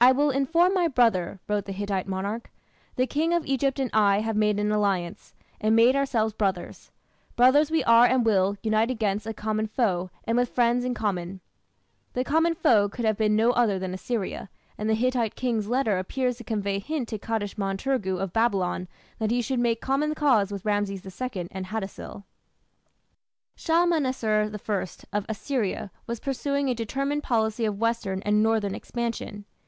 "I will inform my brother," wrote the Hittite monarch; "the King of Egypt and I have made an alliance, and made ourselves brothers. Brothers we are and will [unite against] a common foe, and with friends in common." The common foe could have been no other than Assyria, and the Hittite king's letter appears to convey a hint to Kadashman turgu of Babylon that he should make common cause with Rameses II and Hattusil. Shalmaneser I of Assyria was pursuing a determined policy of western and northern expansion.